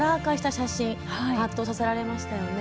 写真はっとさせられましたよね。